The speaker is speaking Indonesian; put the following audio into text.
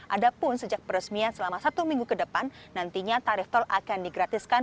ada pun sejak peresmian selama satu minggu ke depan nantinya tarif tol akan digratiskan